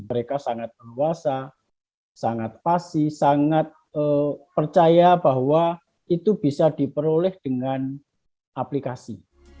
mereka sangat leluasa sangat fasi sangat percaya bahwa itu bisa diperoleh dengan aplikasi